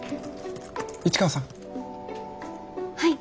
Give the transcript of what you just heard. はい。